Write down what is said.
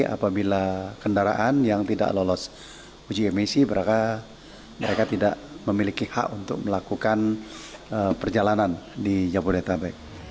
apabila kendaraan yang tidak lolos uji emisi mereka tidak memiliki hak untuk melakukan perjalanan di jabodetabek